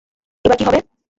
এবার কী হবে?